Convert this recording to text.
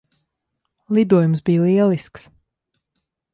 Lidojums bija lielisks.